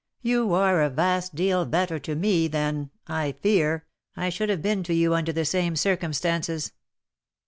"You are a vast deal better to me than, I fear, I should have been to you under the same circumstances."